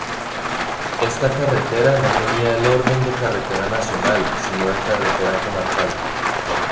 Esta carretera no tenía el orden de carretera nacional, sino de carretera comarcal.